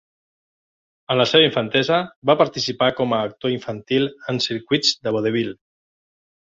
En la seva infantesa va participar com a actor infantil en circuits de vodevil.